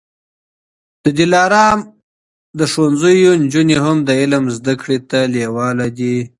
د دلارام د ښوونځیو نجوني هم د علم زده کړې ته لېواله دي.